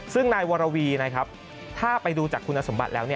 ซึ่งนายวรวีนะครับถ้าไปดูจากคุณสมบัติแล้ว